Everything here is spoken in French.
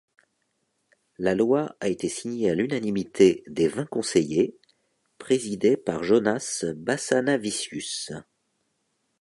La loi a été signée à l'unanimité des vingt conseillers, présidés par Jonas Basanavičius.